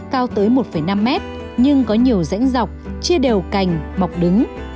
cao tới một năm m nhưng có nhiều rãnh dọc chia đều cành bọc đứng